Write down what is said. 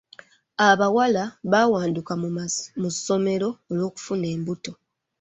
Abawala bawanduka mu ssomero olw'okufuna embuto.